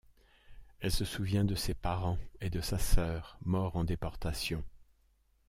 Elle se souvient de ses parents et de sa sœur, morts en déportation.